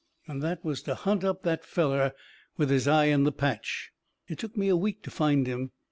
That was to hunt up that feller with his eye in the patch. It took me a week to find him.